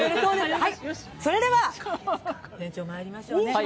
◆それでは店長まいりましょう。